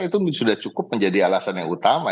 itu sudah cukup menjadi alasan yang utama